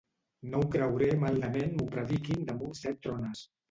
No ho creuré maldament m'ho prediquin damunt set trones.